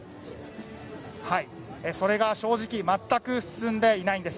それが正直全く進んでいないんです。